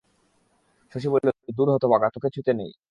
শশী বলিল, দূর হতভাগা, তোকে ছুতে নেই।